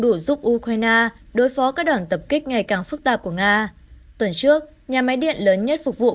đủ giúp ukraine đối phó các đoàn tập kích ngày càng phức tạp của nga tuần trước nhà máy điện lớn